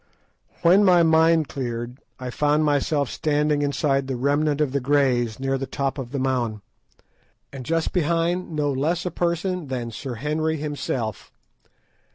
When my mind cleared I found myself standing inside the remnant of the Greys near the top of the mound, and just behind no less a person than Sir Henry himself.